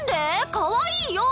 かわいいよ！